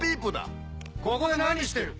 ここで何してる？